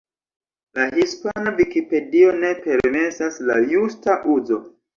La Hispana Vikipedio ne permesas la justa uzo.